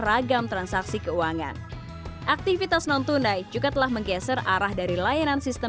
ragam transaksi keuangan aktivitas non tunai juga telah menggeser arah dari layanan sistem